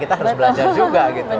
kita harus belajar juga gitu